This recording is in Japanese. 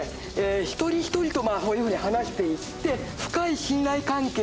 一人一人とそういうふうに話していって深い信頼関係を作ってですね